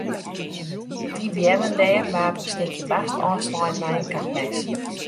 Dy beammen dêr waard in stikje bast ôfslein mei in kapmes.